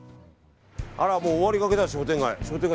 あら、終わりかけだ、商店街。